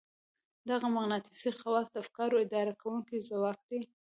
دغه مقناطيسي خواص د افکارو اداره کوونکی ځواک دی.